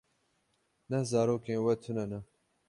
Neh zarokên we tune ne.